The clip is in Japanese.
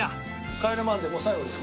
『帰れマンデー』もう最後です